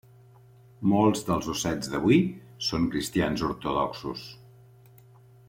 Molts dels ossets d'avui són cristians ortodoxos.